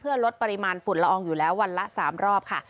ลดปริมาณฝุ่นละอองอยู่แล้ววันละ๓รอบค่ะ